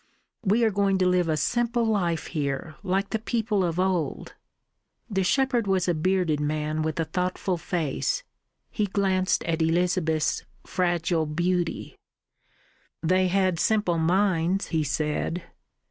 We are going to live a simple life here, like the people of old." The shepherd was a bearded man with a thoughtful face. He glanced at Elizabeth's fragile beauty. "They had simple minds," he said.